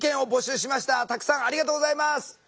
たくさんありがとうございます！